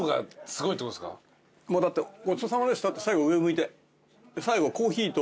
ごちそうさまでしたって最後上向いて。